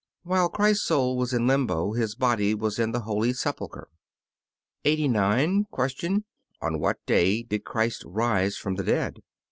While Christ's soul was in Limbo His body was in the holy sepulchre. 89. Q. On what day did Christ rise from the dead?